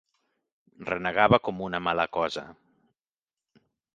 Renegava com una mala cosa.